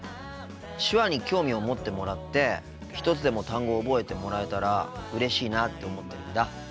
手話に興味を持ってもらって一つでも単語を覚えてもらえたらうれしいなって思ってるんだ。